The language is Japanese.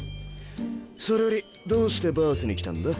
それよりどうしてバースに来たんだ？